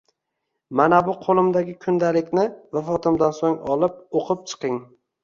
Mana bu qo`limdagi kundalikni vafotimdan so`ng olib, o`qib chiqing